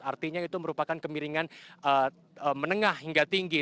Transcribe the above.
artinya itu merupakan kemiringan menengah hingga tinggi